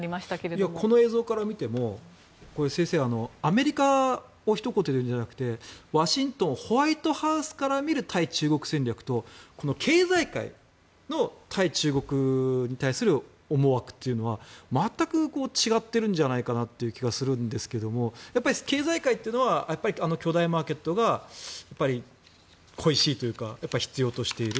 先生、この映像から見てもアメリカをひと言でいうんじゃなくてワシントン、ホワイトハウスから見る、対中国戦略と経済界の対中国に対する思惑は全く違っているんじゃないかという気がするんですが経済界というのはやっぱり巨大マーケットが恋しいというか必要としている。